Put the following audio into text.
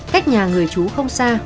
cách nhà người chú không xa